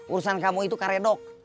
urusan kamu itu kare dok